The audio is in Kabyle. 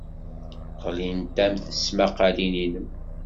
Ɣlint-am tesmaqqalin-nnem.